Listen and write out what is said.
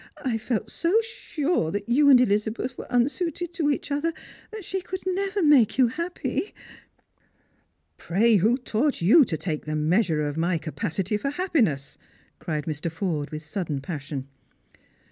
I felt so sure that you and Elizabeth were unsuited to each other, that she could never make you happy " "Pray v^ho taught you to take the measure of my capacity for happiness ?" cried Mr. Forde with sudden passion.